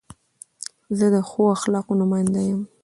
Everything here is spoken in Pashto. زه د ښو اخلاقو نماینده یم.